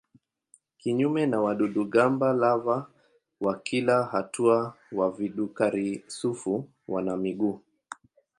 Kinyume na wadudu-gamba lava wa kila hatua wa vidukari-sufu wana miguu.